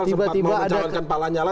sempat mau mencalonkan pak lanyala